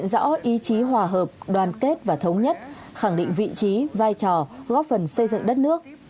rõ ý chí hòa hợp đoàn kết và thống nhất khẳng định vị trí vai trò góp phần xây dựng đất nước